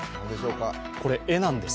これ、絵なんです。